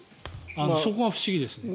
そこが不思議ですね。